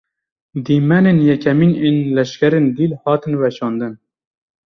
Dîmenên yekemîn ên leşkerên dîl, hatin weşandin